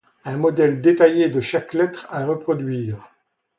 un modèle détaillé de chaque lettre à reproduire